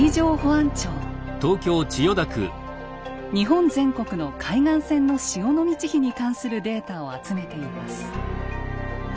日本全国の海岸線の潮の満ち干に関するデータを集めています。